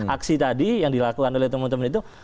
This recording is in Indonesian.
aksi tadi yang dilakukan oleh teman teman itu